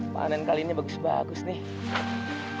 panen kali ini bagus bagus nih